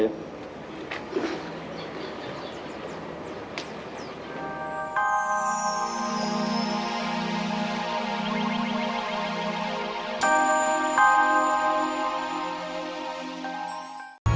terima kasih pak